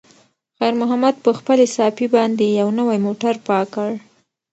خیر محمد په خپلې صافې باندې یو نوی موټر پاک کړ.